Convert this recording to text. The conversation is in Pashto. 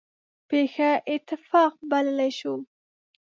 پېښه اتفاق بللی شو.